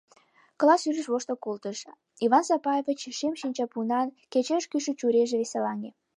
Класс рӱж воштыл колтыш, Иван Сапаевичын шем шинчапунан, кечеш кӱшӧ чурийже веселаҥе.